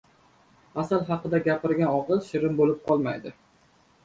• Asal haqida gapirgan og‘iz shirin bo‘lib qolmaydi.